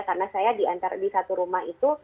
karena saya di satu rumah itu